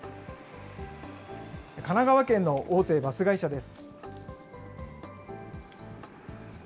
神奈川県の大手バス会社です。